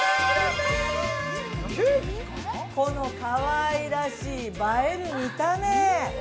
このかわいらしい、映える見た目。